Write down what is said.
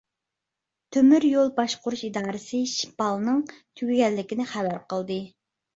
تۆمۈر يول باشقۇرۇش ئىدارىسى شىپالنىڭ تۈگىگەنلىكىنى خەۋەر قىلدى.